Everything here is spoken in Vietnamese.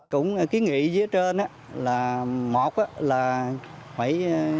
cũng ký nghĩa dưới trên là một là phải